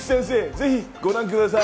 ぜひご覧ください。